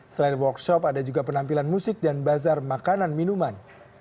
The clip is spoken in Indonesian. selain workshop ada juga penampilan musik dan bazar makanan minuman